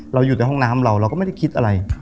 อยู่ในห้องน้ำเราเราก็ไม่ได้คิดอะไร